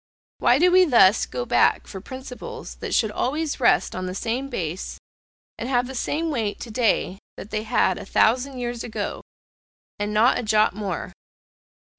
Why do we thus go back for principles that should always rest on the same base, and have the same weight to day that they had a thousand years ago and not a jot more?